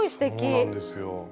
そうなんですよ。